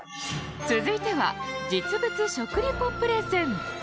続いては実物食リポプレゼン。